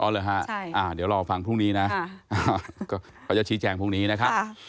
อ๋อเหรอฮะเดี๋ยวรอฟังพรุ่งนี้นะพอจะชี้แจงพรุ่งนี้นะครับ